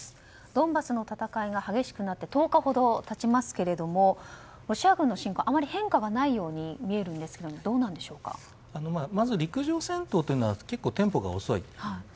ドンバスの戦いが激しくなって１０日ほど経ちますがロシア軍の侵攻はあまり変化がないように見えるんですがまず陸上戦闘というのは結構、テンポが遅い。